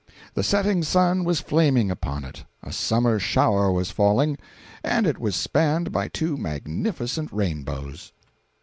The setting sun was flaming upon it, a Summer shower was falling, and it was spanned by two magnificent rainbows.